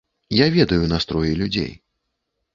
Я ведаю настроі людзей.